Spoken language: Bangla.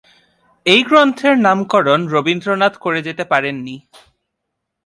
এই গ্রন্থের নামকরণ রবীন্দ্রনাথ করে যেতে পারেন নি।